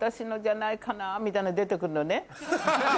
みたいな出て来るのね。